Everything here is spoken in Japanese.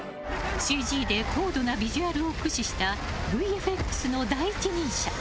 ＣＧで高度なビジュアルを駆使したＶＦＸの第一人者。